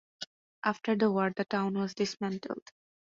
After the war, the town was dismantled.